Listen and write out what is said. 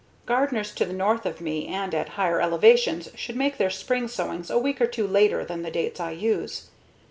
Gardeners to the north of me and at higher elevations should make their spring sowings a week or two later than the dates I use.